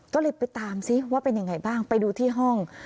ก็เลยไปตามซิว่าเป็นยังไงบ้างไปดูที่ห้อง